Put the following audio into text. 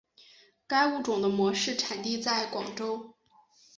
该物种的模式产地在广州。